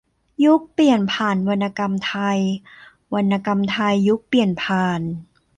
- ยุคเปลี่ยนผ่านวรรณกรรมไทย วรรณกรรมไทยยุคเปลี่ยนผ่าน